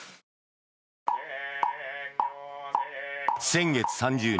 先月３０日